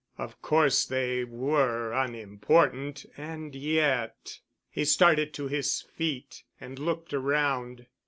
Of course they were unimportant—and yet.... He started to his feet and looked around.